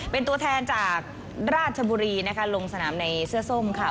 เป็นตัวแทนจากราชบุรีนะคะลงสนามในเสื้อส้มค่ะ